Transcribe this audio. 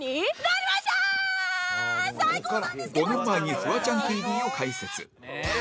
５年前に「フワちゃん ＴＶ」を開設